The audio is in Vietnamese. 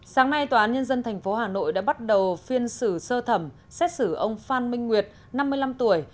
sáng nay tòa án nhân dân tp hà nội đã bắt đầu phiên xử sơ thẩm xét xử ông phan minh nguyệt năm mươi năm tuổi